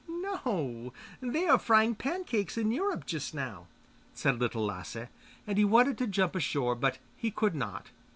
'No; they are frying pancakes in Europe just now,' said Little Lasse; and he wanted to jump ashore, but he could not.